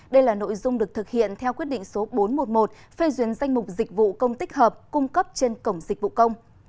đây là nội dung được thực hiện theo quyết định số bốn trăm một mươi một phê duyên danh mục dịch vụ công tích hợp cung cấp trên cổng dịch vụ công